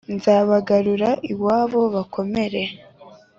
nzabagarura iwabo bakomere,